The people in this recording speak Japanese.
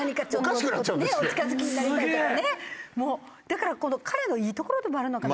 だからこの彼のいいところでもあるのかも。